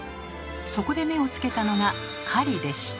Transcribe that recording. そこで目をつけたのが「狩り」でした。